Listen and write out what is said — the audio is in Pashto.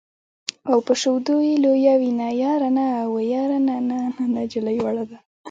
په شیدو یې لویوینه یاره نا وه یاره نا نجلۍ وړه ده.